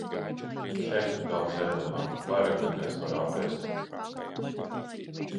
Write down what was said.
Šeit ir daudz ēdamā, vairāk nekā es varu apēst.